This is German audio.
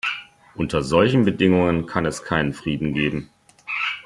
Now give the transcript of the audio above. Unter solchen Bedingungen kann es keinen Frieden geben.